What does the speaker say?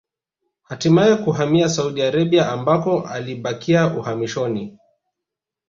Hatimae kuhamia Saudi Arabia ambako alibakia uhamishoni